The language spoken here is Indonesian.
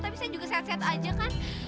tapi saya juga sehat sehat aja kan